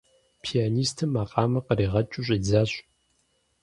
Пианистым макъамэр къригъэкӀыу щӀидзащ.